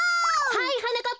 はいはなかっ